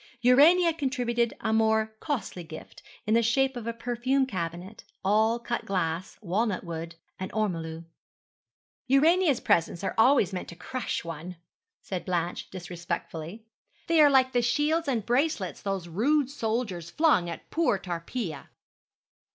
Urania contributed a more costly gift, in the shape of a perfume cabinet, all cut glass, walnut wood, and ormolu. 'Urania's presents are always meant to crush one,' said Blanche disrespectfully; 'they are like the shields and bracelets those rude soldiers flung at poor Tarpeia.'